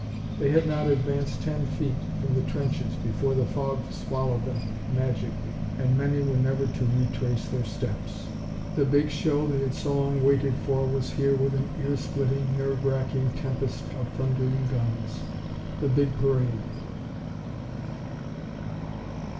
They had not advanced ten feet from the trenches before the fog swallowed them, magically, and many were never to retrace their steps. The big show they had so long waited for was here with an ear splitting, nerve racking tempest of thundering guns. The Big Parade!